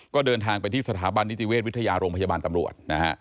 ก็เดินทางไปที่สถาบันนิติเวชวิทยาโรงพยาบาลตำรวจนะฮะ